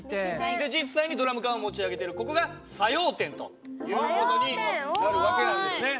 実際にドラム缶を持ち上げてるここが作用点という事になる訳なんですね。